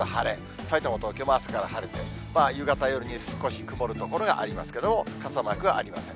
さいたま、東京も朝から晴れて、夕方、夜に少し曇る所がありますけれども、傘マークはありません。